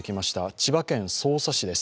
千葉県匝瑳市です。